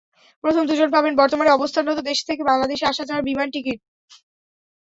প্রথম দুজন পাবেন বর্তমানে অবস্থানরত দেশ থেকে বাংলাদেশে আসা-যাওয়ার বিমান টিকিট।